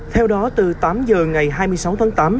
theo đó từ tám giờ ngày hai mươi sáu tháng tám